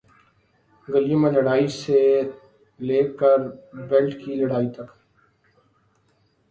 گلیوں میں لڑائی سے لے کر بیلٹ کی لڑائی تک،